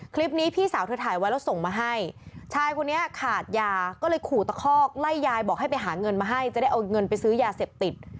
พี่สาวเธอถ่ายไว้แล้วส่งมาให้ชายคนนี้ขาดยาก็เลยขู่ตะคอกไล่ยายบอกให้ไปหาเงินมาให้จะได้เอาเงินไปซื้อยาเสพติด